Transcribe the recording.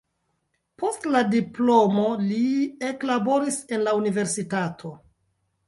Post la diplomo li eklaboris en la universitato.